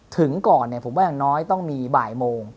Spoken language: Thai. ถึงก่อนในน้อยต้องมีบ่ายโมง